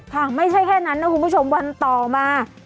ไม่ใช่แค่นั้นนะคุณผู้ชมวันต่อมา